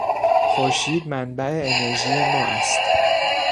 خورشید منبع انرژی ما است.